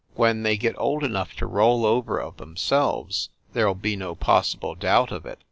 When they get old enough to roll over of themselves there ll be no possible doubt of it.